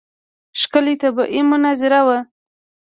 ښکلې طبیعي منظره وه.